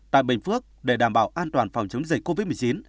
tại bình phước để đảm bảo an toàn phòng chống dịch covid một mươi chín